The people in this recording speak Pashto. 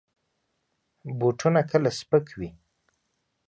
بوټونه کله سپک وي.